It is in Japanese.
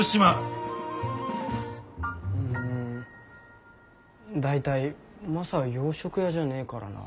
うん大体マサは洋食屋じゃねえからな。